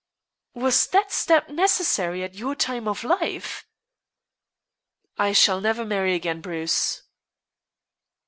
"Was that step necessary at your time of life?" "I shall never marry again, Bruce."